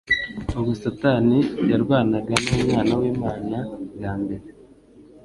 Ubwo Satani yarwanaga n'Umwana w'lmana bwa mbere,